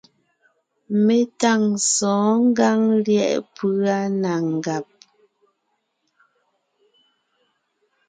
Mé tâŋ sɔ̌ɔn ngǎŋ lyɛ̌ʼ pʉ́a na ngàb;